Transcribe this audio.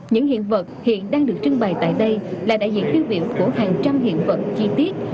những hiện vật hiện đang được trưng bày tại đây là đại diện tiêu biểu của hàng trăm hiện vật chi tiết